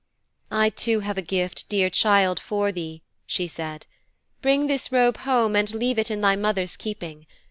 'I too have a gift, dear child, for thee,' she said. 'Bring this robe home and leave it in thy mother's keeping.